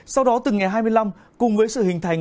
sau đó từng ngày hai mươi năm cùng với sự hình thành